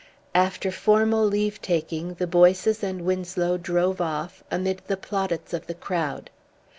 After formal leave taking the Boyces and Winslow drove off amid the plaudits of the crowd.